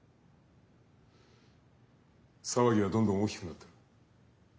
騒ぎはどんどん大きくなってる。